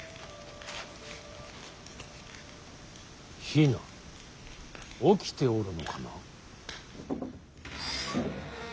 比奈起きておるのかな。